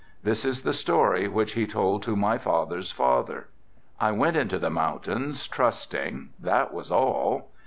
This is the story which he told to my father's father: "I went into the mountains, trusting, that was all.